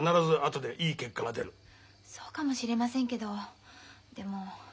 そうかもしれませんけどでも。